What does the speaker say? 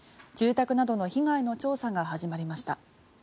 住宅などの被害の調査が始まりました。